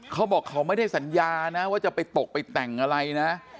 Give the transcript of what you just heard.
เขาบอกเขาไม่ได้สัญญานะว่าจะไปตกไปแต่งอะไรนะ